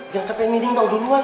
jangan capek niring tau duluan